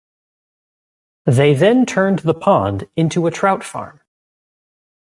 They then turned the pond into a trout farm.